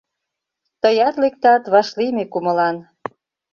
Тыят лектат вашлийме кумылан –